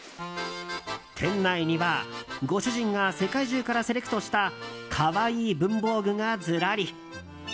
店内にはご主人が世界中からセレクトしたかわいい文房具がずらり。